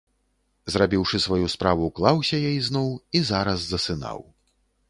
Зрабіўшы сваю справу, клаўся я ізноў і зараз засынаў.